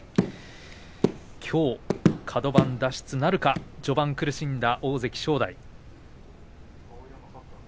きょう、カド番脱出なるか序盤苦しんだ大関正代。